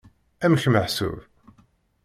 Amek meḥsub?